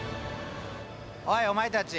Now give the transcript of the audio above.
おいお前たち！